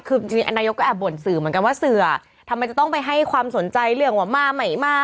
คือจริงนายกก็แอบบ่นสื่อเหมือนกันว่าเสือทำไมจะต้องไปให้ความสนใจเรื่องว่ามาใหม่มา